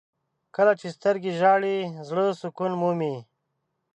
• کله چې سترګې ژاړي، زړه سکون مومي.